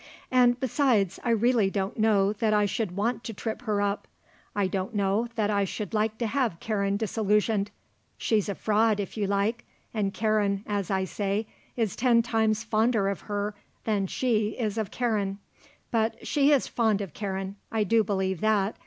"And, besides, I really don't know that I should want to trip her up. I don't know that I should like to have Karen disillusioned. She's a fraud if you like, and Karen, as I say, is ten times fonder of her than she is of Karen; but she is fond of Karen; I do believe that.